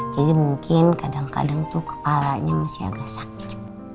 jadi mungkin kadang kadang tuh kepalanya masih agak sakit